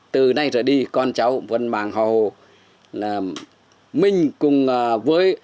từ nay trở đi con cháu vẫn mang họ hồ